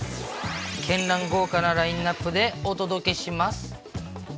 絢爛豪華なラインナップでお届けします。